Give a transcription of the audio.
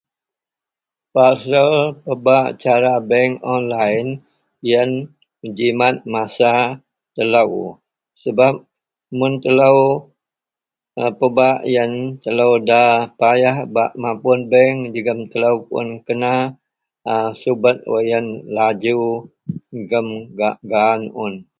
Pasel pebak cara bank online yen mejimet masa telo ,sebab mun telo pebak yen telo da payah bak mapun bank jegem telo puun kena a subet wa yen laju jegum gak gaan un.